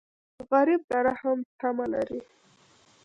غریب د رحم تمه لري